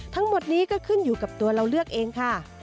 ทั้งหมดนี้ก็ขึ้นอยู่กับตัวเราเลือกเองค่ะ